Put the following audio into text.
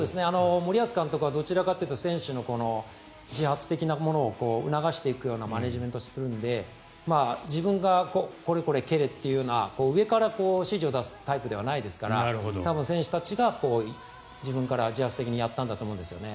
森保監督はどちらかというと選手の自発的なものを促していくようなマネジメントをするので自分がこれこれ、蹴れっていうような上から指示を出すタイプではないですから多分、選手たちが自分から自発的にやったと思うんですよね。